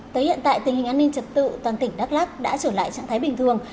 tới hiện tại tình hình an ninh trật tự toàn tỉnh đắk lắc đã trở lại trạng thái bình thường